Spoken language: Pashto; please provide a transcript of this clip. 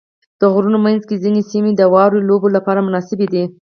د غرونو منځ کې ځینې سیمې د واورې لوبو لپاره مناسبې دي.